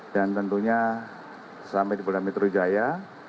dan tentunya sampai di polda metro jaya